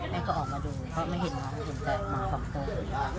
แม่มาดูเพราะเห็นหลวงหัวของน้อง